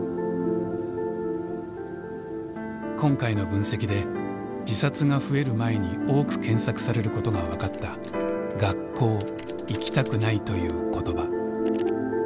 今回の分析で自殺が増える前に多く検索されることが分かった「学校行きたくない」という言葉。